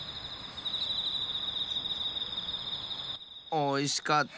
おいしかった！